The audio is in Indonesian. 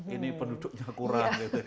ini penduduknya kurang gitu